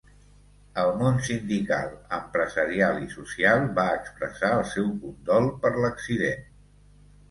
El món sindical, empresarial i social va expressar el seu condol per l'accident.